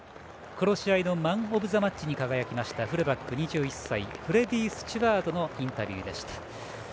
この試合のマンオブザマッチに輝きましたフルバック、２１歳フレディー・スチュワードのインタビューでした。